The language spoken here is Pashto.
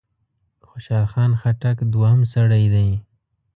خوشحال خان خټک دوهم سړی دی.